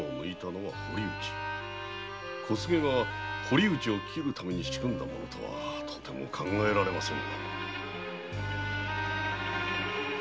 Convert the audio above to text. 小菅が堀内を斬るために仕組んだとはとても考えられません。